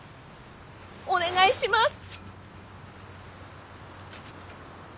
お願いします！